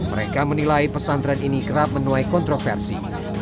mereka menilai pesantren ini kerap menuai kontroversi